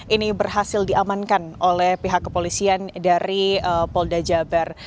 ini berhasil diamankan oleh pihak kepolisian dari polda jabar